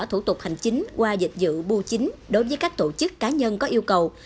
thủ tục hành chính qua dịch vụ bưu chính đối với các tổ chức cá nhân có yêu cầu